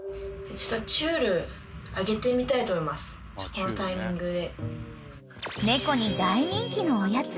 このタイミングで。